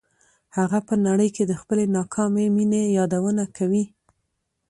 هغه په نړۍ کې د خپلې ناکامې مینې یادونه کوي